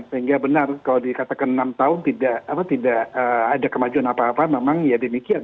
sehingga benar kalau dikatakan enam tahun tidak ada kemajuan apa apa memang ya demikian